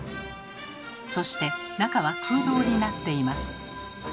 そして中は空洞になっています。